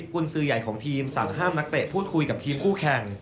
กุญสือใหญ่ของทีมสั่งห้ามนักเตะพูดคุยกับทีมคู่แข่ง